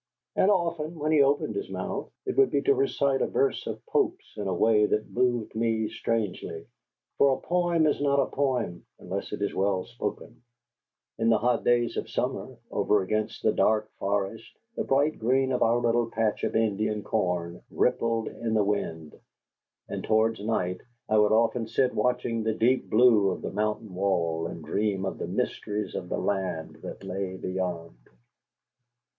And often, when he opened his mouth, it would be to recite a verse of Pope's in a way that moved me strangely. For a poem is not a poem unless it be well spoken. In the hot days of summer, over against the dark forest the bright green of our little patch of Indian corn rippled in the wind. And towards night I would often sit watching the deep blue of the mountain wall and dream of the mysteries of the land that lay beyond.